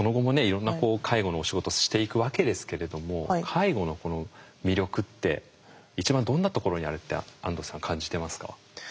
いろんな介護のお仕事していくわけですけれども介護の魅力って一番どんなところにあるって安藤さん感じてますか？